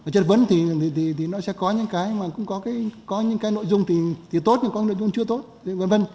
chất vấn thì nó sẽ có những cái nội dung thì tốt nhưng có những cái nội dung chưa tốt v v